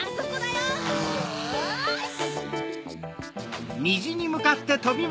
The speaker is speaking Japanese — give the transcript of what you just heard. よし！